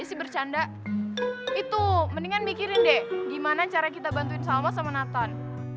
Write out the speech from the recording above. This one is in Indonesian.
itu mendingan mikirin deh gimana cara kita bantuin sama sama nathan